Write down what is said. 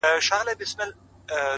لکه کنگل تودو اوبو کي پروت يم،